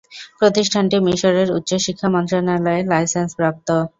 প্রতিষ্ঠানটি মিশরের উচ্চ শিক্ষা মন্ত্রণালয়ের লাইসেন্সপ্রাপ্ত।